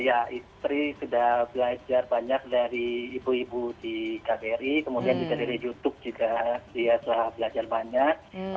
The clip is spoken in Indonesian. iya istri sudah belajar banyak dari ibu ibu di kbri kemudian juga dari youtube juga dia sudah belajar banyak